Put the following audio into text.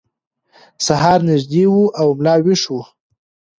سهار نږدې و او ملا ویښ و.